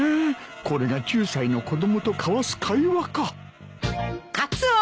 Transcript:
これが９歳の子供と交わす会話か。